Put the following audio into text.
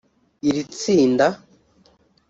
Iri tsinda